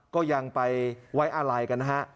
ก็ยังไปไว้อลายกันท